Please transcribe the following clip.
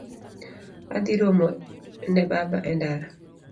Adhi romo ne baba e ndara